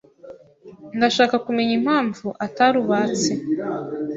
Ndashaka kumenya impamvu atarubatse.